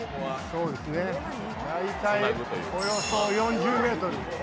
大体およそ４０ｍ。